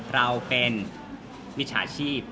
เราเป็นวิชาชีพ